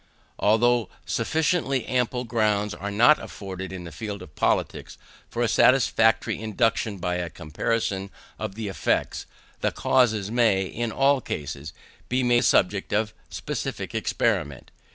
Although sufficiently ample grounds are not afforded in the field of politics, for a satisfactory induction by a comparison of the effects, the causes may, in all cases, be made the subject of specific experiment.